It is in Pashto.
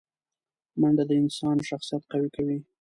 منډه د انسان شخصیت قوي کوي